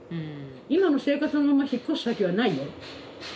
今の生活のまま引っ越す先はないよ。